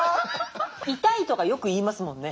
痛いとかよく言いますもんね。